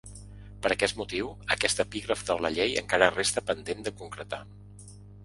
Per aquest motiu, aquest epígraf de la llei encara resta pendent de concretar.